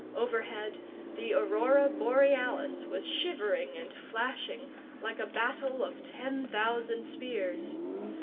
Overhead, the aurora borealis was shivering and flashing like a battle of ten thousand spears.